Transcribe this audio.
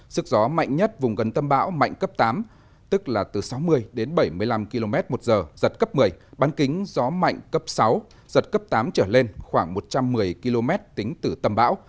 sức gió mạnh nhất vùng gần tâm bão mạnh cấp tám tức là từ sáu mươi đến bảy mươi năm km một giờ giật cấp một mươi bán kính gió mạnh cấp sáu giật cấp tám trở lên khoảng một trăm một mươi km tính từ tâm bão